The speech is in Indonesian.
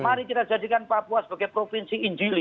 mari kita jadikan papua sebagai provinsi injili